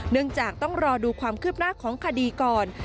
เนื่องจากต้องรอดูความคืบหน้าของคดีก่อน